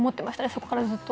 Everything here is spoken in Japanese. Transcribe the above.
そこからずっと。